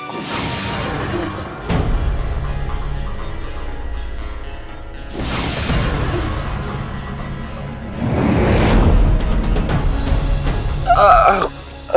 aku akan ikuti semua